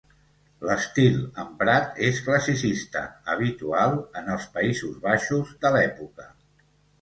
L'estil emprat és classicista, habitual en els Països Baixos de l'època.